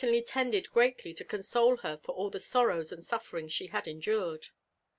J tended greatly to console her for all the sorrows and sufferings she had endured.